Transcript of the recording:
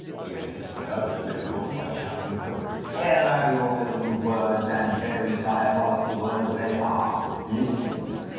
Æacus got out of the difficulty by charging home. "Here are your own words, and very diabolical words they are. Listen."